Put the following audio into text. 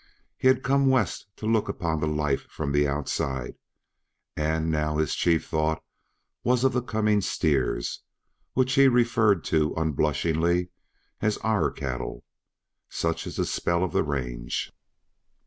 He had come West to look upon the life from the outside, and now his chief thought was of the coming steers, which he referred to unblushingly as "our cattle." Such is the spell of the range.